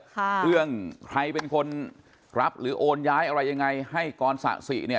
เรื่องใครเป็นคนรับหรือโอนย้ายอะไรยังไงให้กรสะสิเนี่ย